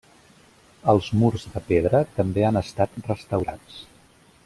Els murs de pedra també han estat restaurats.